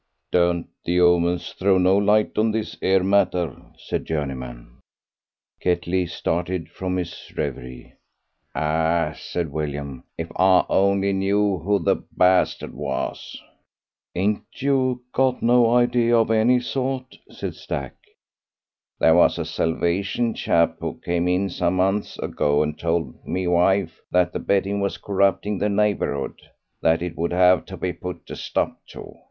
"Don't the omens throw no light on this 'ere matter?" said Journeyman. Ketley started from his reverie. "Ah," said William, "if I only knew who the b was." "Ain't you got no idea of any sort?" said Stack. "There was a Salvation chap who came in some months ago and told my wife that the betting was corrupting the neighbourhood. That it would have to be put a stop to.